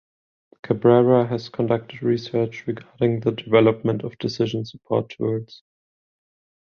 Cabrera has conducted research regarding the development of decision support tools.